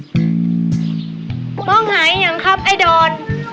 ต้องหาให้ยังครับไอ้ดร